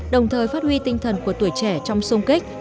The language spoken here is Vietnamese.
đồng thời phát huy tinh thần của tuổi trẻ trong sung kích